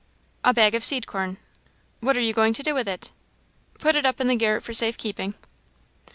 "A bag of seed corn." "What are you going to do with it?" "Put it up in the garret for safe keeping."